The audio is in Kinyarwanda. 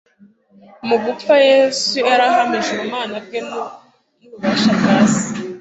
Mu gupfa, Yesu yari ahamije ubumana bwe n'ububasha bwa Se.